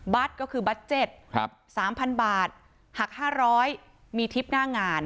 บัตรก็คือบัตรเจ็ต๓๐๐๐บาทหัก๕๐๐บาทมีทิศหน้างาน